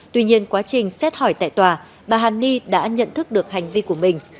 tuy nhiên quá trình xét hỏi tại tòa bà hàn ni đã nhận thức được hành vi của mình